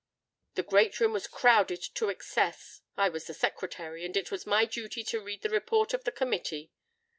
The great room was crowded to excess. I was the Secretary, and it was my duty to read the Report of the Committee.